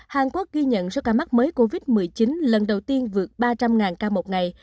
hàn quốc ghi nhận số ca mắc mới covid một mươi chín lần đầu tiên vượt ba trăm linh ca một ngày